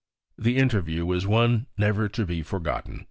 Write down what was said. The interview was one never to be forgotten."